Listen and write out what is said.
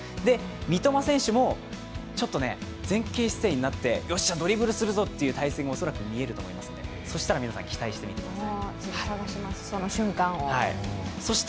三笘選手も、前傾姿勢になってよっしゃドリブルするぞっていう体勢が見られると思うんでそうしたら皆さん、期待してみてください。